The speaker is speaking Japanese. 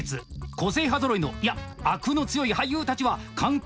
個性派ぞろいのいやあくの強い俳優たちは監督